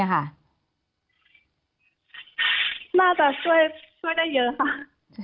น่าจะช่วยได้เยอะค่ะ